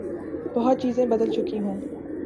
بہت چیزیں بدل چکی ہوں۔